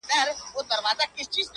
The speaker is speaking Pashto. نجلۍ نوم کله کله يادېږي تل